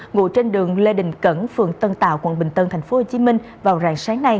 ngụ trên đường lê đình cẩn phường tân tạo quận bình tân tp hcm vào ràng sáng nay